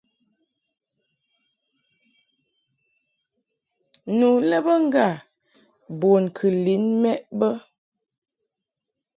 Nu lɛ bə ŋgâ bun kɨ lin mɛʼ bə.